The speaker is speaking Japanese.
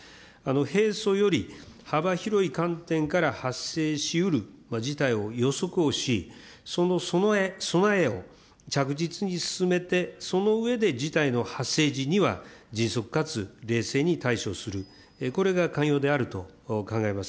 平素より幅広い観点から発生しうる事態を予測をし、その備えを着実に進めて、その上で事態の発生時には迅速かつ冷静に対処する、これが肝要であると考えます。